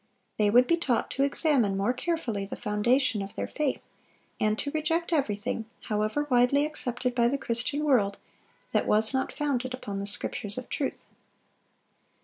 They would be taught to examine more carefully the foundation of their faith, and to reject everything, however widely accepted by the Christian world, that was not founded upon the Scriptures of truth.